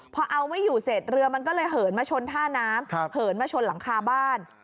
พอเอาไม่อยู่เสร็จเรือมันก็เลยเหินมาชนท่าน้ำเหินมาชนหลังคาบ้าน